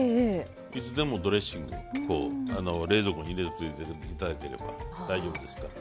いつでもドレッシング冷蔵庫に入れといていただければ大丈夫ですから。